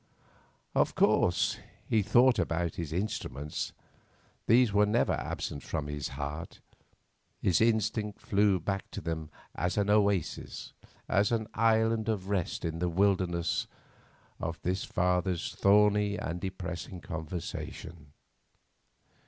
Of course, he thought about his instruments; these were never absent from his heart. His instinct flew back to them as an oasis, as an island of rest in the wilderness of his father's thorny and depressing conversation.